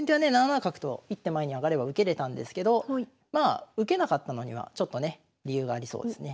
７七角と１手前に上がれば受けれたんですけど受けなかったのにはちょっとね理由がありそうですね。